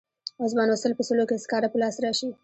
اوس به نو سل په سلو کې سکاره په لاس راشي.